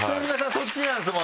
そっちなんですもんね。